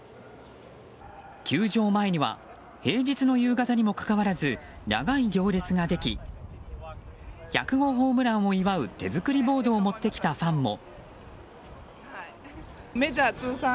球場前には平日の夕方にもかかわらず長い行列ができ１００行ホームランを祝う手作りボードを持ってきたファンも。